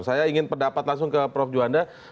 saya ingin pendapat langsung ke prof juanda